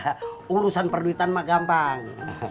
kalo ini suka urusan perduitan mah gampang